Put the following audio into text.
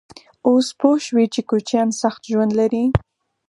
_اوس پوه شوې چې کوچيان سخت ژوند لري؟